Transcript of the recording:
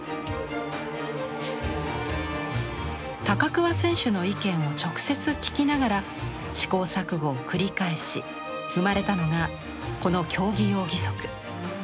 高桑選手の意見を直接聞きながら思考錯誤を繰り返し生まれたのがこの競技用義足。